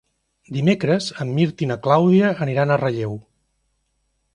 Dimecres en Mirt i na Clàudia aniran a Relleu.